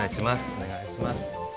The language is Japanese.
おねがいします。